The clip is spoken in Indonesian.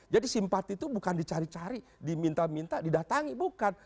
jadi simpati itu bukan dicari cari diminta minta didatangi bukan